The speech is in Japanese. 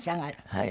はい。